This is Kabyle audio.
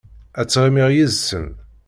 Ad ttɣimiɣ yid-sen.